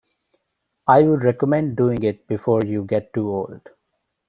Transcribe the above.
I would recommend doing it before you get too old.